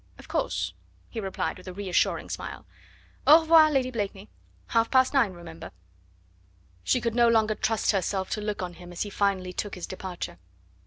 Of course," he replied with a reassuring smile. "Au revoir, Lady Blakeney! Half past nine, remember " She could no longer trust herself to look on him as he finally took his departure.